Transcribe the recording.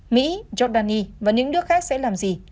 mỹ giordani và những nước khác sẽ làm gì